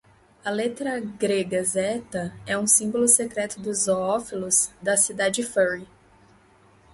A letra grega zeta é um símbolo secreto dos zoófilos da comunidade furry